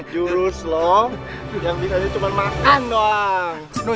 jurus lo yang bisa cuma makan doang